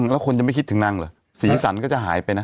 แล้วคนจะไม่คิดถึงนางเหรอสีสันก็จะหายไปนะ